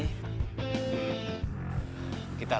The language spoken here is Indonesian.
kita lihat dia berubah